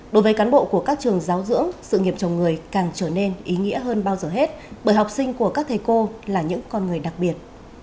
đối với cán bộ của các trường giáo dưỡng sự nghiệp chồng người càng trở nên ý nghĩa hơn bao giờ hết bởi học sinh của các thầy cô là những con người đặc biệt